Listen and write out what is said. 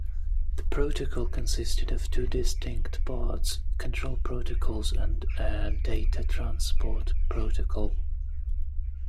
The protocol consisted of two distinct parts: control protocols and a data transport protocol.